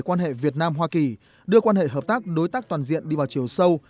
quan hệ việt nam hoa kỳ đưa quan hệ hợp tác đối tác toàn diện đi vào chiều sâu